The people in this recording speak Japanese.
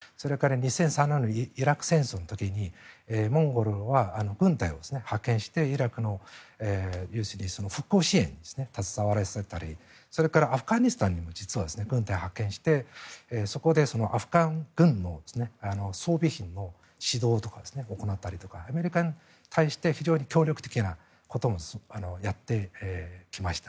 例えば軍事演習を一緒に行ったりそれから２００３年のイラク戦争の時にモンゴルは軍隊を派遣してイラクの復興支援に携わらせたりそれからアフガニスタンにも実は軍隊を派遣してそこでアフガン軍の装備品の指導とかを行ったりとかアメリカに対して非常に協力的なこともやってきました。